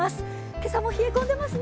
今朝も冷え込んでますね。